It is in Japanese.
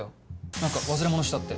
何か忘れ物したって。